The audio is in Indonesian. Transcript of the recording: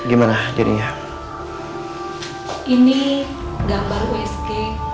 oke silahkan masuk